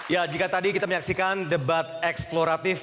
ya jika tadi kita menyaksikan debat eksploratif